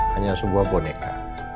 hanya sebuah boneka